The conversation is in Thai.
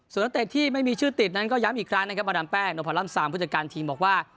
ส่วนนักเตะที่ไม่มีชื่อติดนั้นก็ย้ำอีกครั้งนะครับมาดามแป้งนพร่ำซามผู้จัดการทีมบอกว่า